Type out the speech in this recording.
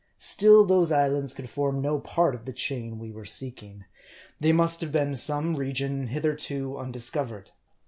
Still, those islands could form no part of the chain we were seeking. They must have been some region hitherto undiscovered.